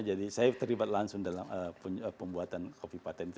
jadi saya terlibat langsung dalam pembuatan kopi patent